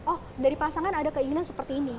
oh dari pasangan ada keinginan seperti ini